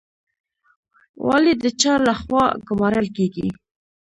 والي د چا لخوا ګمارل کیږي؟